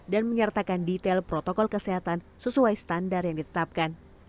dan menyertakan detail protokol kesehatan sesuai standar yang ditetapkan